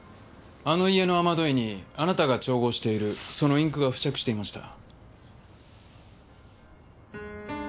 あの家の雨どいにあなたが調合しているそのインクが付着していました。